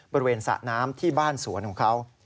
บริเวณสระน้ำที่บ้านสวนของเขา